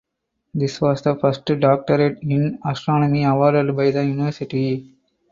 This was the first doctorate in astronomy awarded by the University.